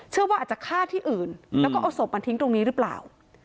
เชื่อว่าอาจจะฆ่าที่อื่นแล้วก็เอาศพมาทิ้งตรงนี้หรือเปล่า